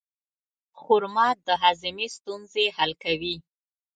خرما د هاضمې ستونزې حل کوي.